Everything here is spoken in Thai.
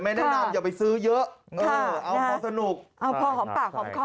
ไม่แนะนำอย่าไปซื้อยเยอะเอาเพราะสนุก